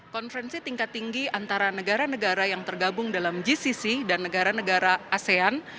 konferensi tingkat tinggi antara negara negara yang tergabung dalam gcc dan negara negara asean